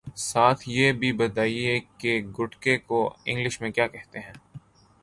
ساتھ یہ بھی بتائیے کہ گٹکے کو انگلش میں کیا کہتے ہیں